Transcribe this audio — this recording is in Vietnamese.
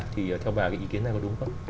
thì theo bà cái ý kiến này có đúng không